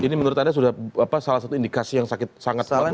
ini menurut anda sudah salah satu indikasi yang sangat kuat